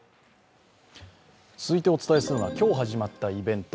続いてお伝えするのは今日始まったイベント。